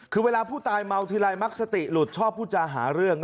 คือเวลาผู้ตายเมาทีไรมักสติหลุดชอบพูดจาหาเรื่อง